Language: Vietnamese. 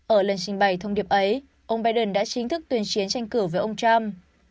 ở lần trình bày thông điệp ấy ông biden đã chính thức tuyên chiến tranh cử với ông trump